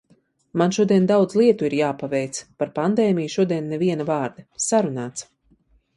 Man šodien daudz lietu ir jāpaveic. Par pandēmiju šodien neviena vārda. Sarunāts!